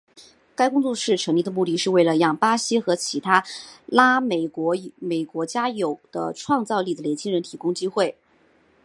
该工作室成立的目的是为了让巴西和其他拉美国家的有创造力的年轻人提供工作机会。